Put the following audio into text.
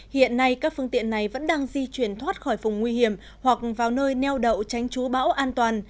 hiện nay các phương tiện này vẫn đang di chuyển thoát khỏi vùng nguy hiểm hoặc vào nơi neo đậu tránh chú bão an toàn